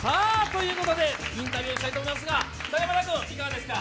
インタビューしたいと思いますが、山田君、どうですか。